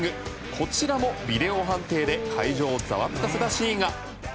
こちらもビデオ判定で会場をざわつかせたシーンが。